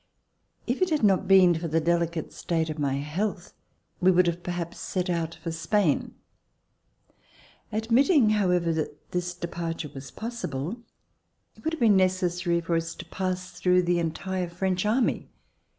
If it had not been for the delicate state of my health, we would have perhaps set out for Spain. Admitting, however, that this departure was possible it would have been necessary for us to pass through the entire French army.